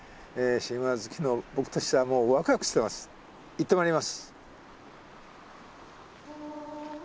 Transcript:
いってまいります。